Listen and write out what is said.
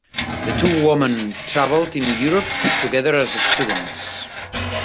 The two women traveled in Europe together as students.